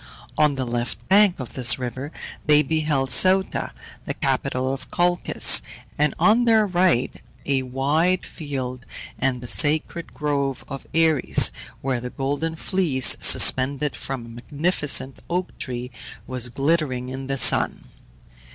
On the left bank of this river they beheld Ceuta, the capital of Colchis; and on their right a wide field, and the sacred grove of Ares, where the Golden Fleece, suspended from a magnificent oak tree, was glittering in the sun.